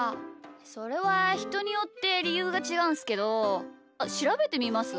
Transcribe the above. それはひとによってりゆうがちがうんすけどあしらべてみます？